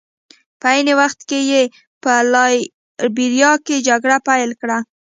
په عین وخت کې یې په لایبیریا کې جګړه پیل کړه.